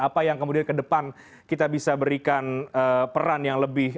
apa yang kemudian ke depan kita bisa berikan peran yang lebih